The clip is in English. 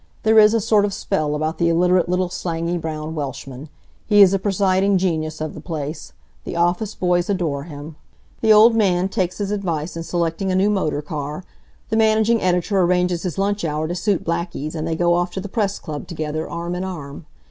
There is a sort of spell about the illiterate little slangy, brown Welshman. He is the presiding genius of the place. The office boys adore him. The Old Man takes his advice in selecting a new motor car; the managing editor arranges his lunch hour to suit Blackie's and they go off to the Press club together, arm in arm.